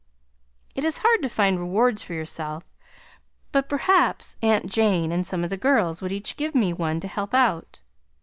It is hard to find rewards for yourself, but perhaps Aunt Jane and some of the girls would each give me one to help out.